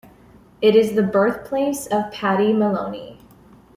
It is the birthplace of Patty Maloney.